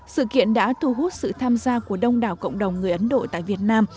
sự kiện đã thu hút sự tham gia của đông đảo cộng đồng người ấn độ tại việt nam